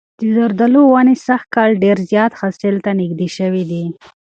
د زردالو ونې سږ کال ډېر زیات حاصل ته نږدې شوي دي.